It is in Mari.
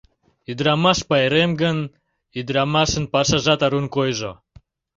Ӱдырамаш пайрем гын, ӱдырамашын пашажат арун койжо.